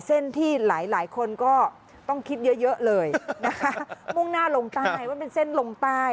เส้นที่หลายหลายคนก็ต้องคิดเยอะเยอะเลยนะคะมุ่งหน้าลงใต้มันเป็นเส้นลงใต้